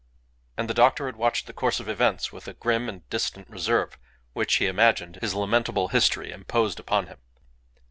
And the doctor had watched the course of events with a grim and distant reserve which, he imagined, his lamentable history imposed upon him.